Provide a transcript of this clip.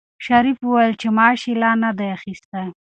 شریف وویل چې معاش یې لا نه دی اخیستی.